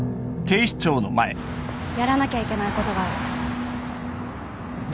やらなきゃいけないことがある。